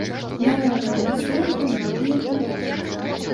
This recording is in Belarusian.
Наогул ні слыху, ні дыху.